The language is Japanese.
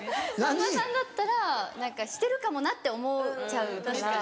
さんまさんだったらしてるかもなって思っちゃうから。